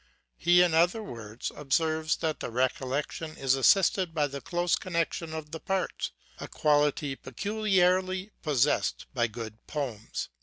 He, in other words, observes, that the recollection is assisted by the close connection of the parts, a quality peculiarly possessed by good poems.